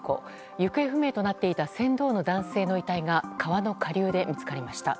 行方不明となっていた船頭の男性の遺体が川の下流で見つかりました。